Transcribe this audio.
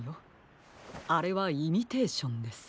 あれはイミテーションです。